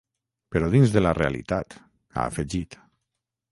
Però dins de la realitat, ha afegit.